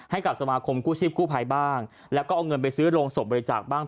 ให้กับสมาคมกู้ชีพกู้ภัยบ้างแล้วก็เอาเงินไปซื้อโรงศพบริจาคบ้าง